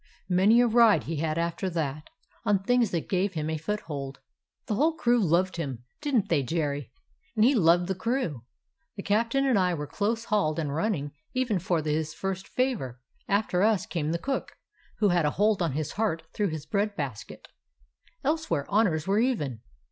Many a ride he had after that, on things that gave him a foothold. "The whole crew loved him; didn't they, Jerry? And he loved the crew. The cap'n and I were close hauled and running even for his first favor ; after us came the cook, who had a hold on his heart through his bread basket. Elsewhere honors were even.